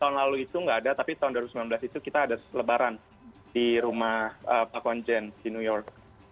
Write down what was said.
tahun lalu itu nggak ada tapi tahun dua ribu sembilan belas itu kita ada lebaran di rumah pak konjen di new york